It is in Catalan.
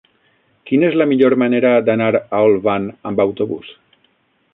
Quina és la millor manera d'anar a Olvan amb autobús?